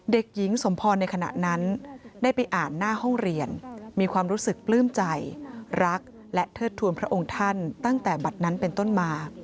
เด็กหญิงสมพรในขณะนั้นได้ไปอ่านหน้าห้องเรียนมีความรู้สึกปลื้มใจรักและเทิดทวนพระองค์ท่านตั้งแต่บัตรนั้นเป็นต้นมา